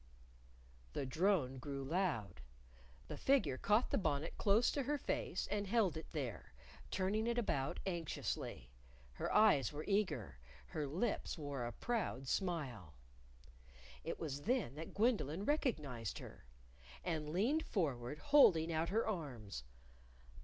_ The drone grew loud. The figure caught the bonnet close to her face and held it there, turning it about anxiously. Her eyes were eager. Her lips wore a proud smile. It was then that Gwendolyn recognized her. And leaned forward, holding out her arms.